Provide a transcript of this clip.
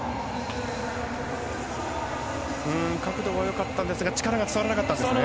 角度は良かったんですが力が伝わらなかったですね。